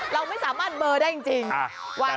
เราไม่สามารถเบอร์ได้จริง